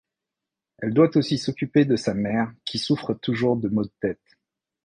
Elle doit aussi s'occuper de sa mère, qui souffre toujours de maux de tête.